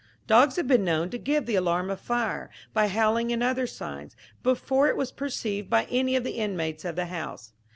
Dogs have been known to give the alarm of fire, by howling and other signs, before it was perceived by any of the inmates of the house.